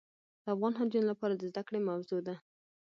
د افغان حاجیانو لپاره د زده کړې موضوع ده.